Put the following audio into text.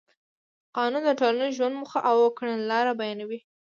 قانون د ټولنیز ژوند موخه او کړنلاره بیانوي.